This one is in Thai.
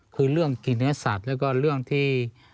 คือเรื่องกินเนื้อสัตว์แล้วก็เรื่องที่